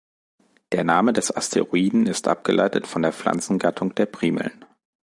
Der Name des Asteroiden ist abgeleitet von der Pflanzengattung der Primeln.